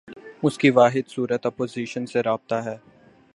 اس کی واحد صورت اپوزیشن سے رابطہ ہے۔